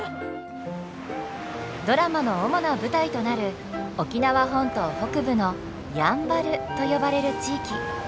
ドラマの主な舞台となる沖縄本島北部の「やんばる」と呼ばれる地域。